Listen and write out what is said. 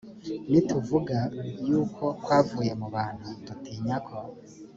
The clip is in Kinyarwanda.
nituvuga yuko kwavuye mu bantu dutinya ko